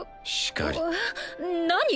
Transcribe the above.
しかり何？